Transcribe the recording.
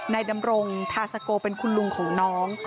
ดำรงทาสโกเป็นคุณลุงของน้อง